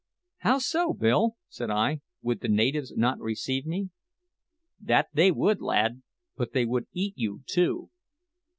"How so, Bill?" said I. "Would the natives not receive me?" "That they would, lad; but they would eat you too."